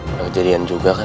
udah kejadian juga kan